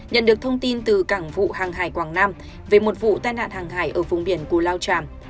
nhận được thông tin từ cảng vụ hàng hải quảng nam về một vụ tai nạn hàng hải ở vùng biển củ lao tràm